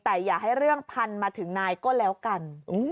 แต่อย่าให้เรื่องพันมาถึงนายก็แล้วกัน